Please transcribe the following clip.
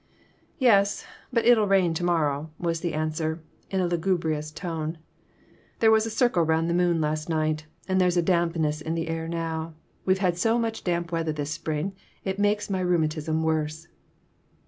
"Yes; but it'll rain to morrow," was the answer, in a lugubrious tone. "There was a circle 'round the moon last night, and there's a dampness in the air now. We've had so much damp weather this spring it makes my rheuma tism worse."